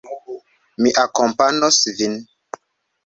Mi akompanos vin.